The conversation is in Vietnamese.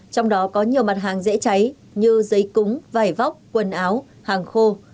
trong đó có nhiều mặt hàng dễ cháy như giấy cúng vải vóc quần áo hàng khô